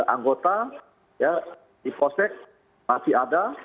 ya jadi anggota ya di possek masih ada ya